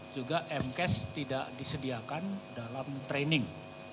juga mcas tidak disediakan dalam training